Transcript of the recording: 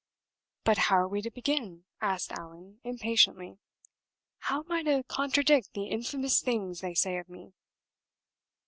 "But how are we to begin?" asked Allan, impatiently. "How am I to contradict the infamous things they say of me?"